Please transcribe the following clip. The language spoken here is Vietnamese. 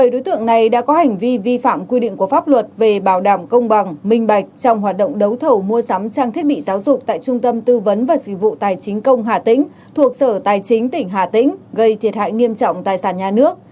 bảy đối tượng này đã có hành vi vi phạm quy định của pháp luật về bảo đảm công bằng minh bạch trong hoạt động đấu thầu mua sắm trang thiết bị giáo dục tại trung tâm tư vấn và dịch vụ tài chính công hà tĩnh thuộc sở tài chính tỉnh hà tĩnh gây thiệt hại nghiêm trọng tài sản nhà nước